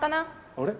あれ？